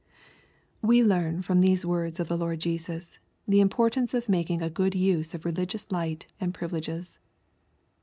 We learn from these words of the Lord Jesus, ihe im portance of making a good use of religious light and privileges.